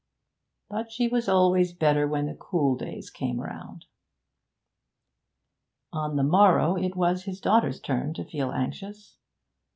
But she was always better when the cool days came round. On the morrow it was his daughter's turn to feel anxious.